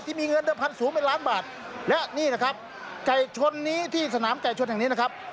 เงินเดิมพันธุเป็นล้านบาทและนี่นะครับไก่ชนนี้ที่สนามไก่ชนแห่งนี้นะครับ